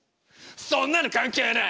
そんなの関係ねぇ！